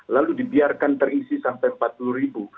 lalu dibiarkan terisi sampai empat puluh ribu